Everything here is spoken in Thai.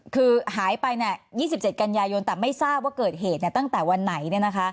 คือหายไป๒๗กันยายนแต่ไม่ทราบว่าเกิดเหตุตั้งแต่วันไหน